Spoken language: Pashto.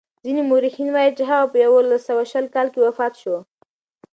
ځینې مورخین وايي چې هغه په یوولس سوه شل کال کې وفات شو.